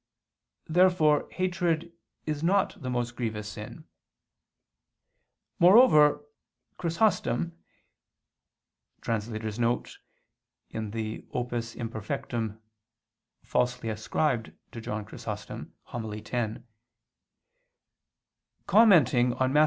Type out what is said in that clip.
Therefore hatred is not the most grievous sin. Moreover, Chrysostom [*Hom. x in the Opus Imperfectum, falsely ascribed to St. John Chrysostom] commenting on Matt.